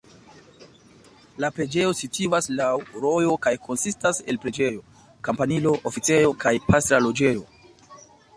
La preĝejo situas laŭ rojo kaj konsistas el preĝejo, kampanilo, oficejo kaj pastra loĝejo.